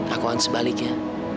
aku akan sebaliknya